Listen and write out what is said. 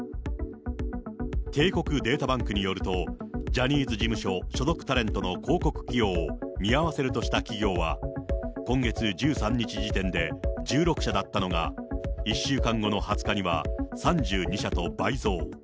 帝国データバンクによると、ジャニーズ事務所所属タレントの広告起用を見合わせるとした企業は今月１３日時点で１６社だったのが１週間後の２０日には、３２社と倍増。